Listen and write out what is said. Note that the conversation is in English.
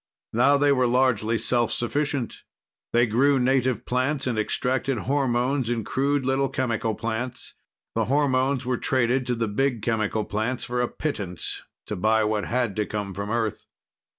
Now they were largely self sufficient. They grew native plants and extracted hormones in crude little chemical plants. The hormones were traded to the big chemical plants for a pittance to buy what had to come from Earth.